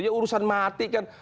ya urusan mati kan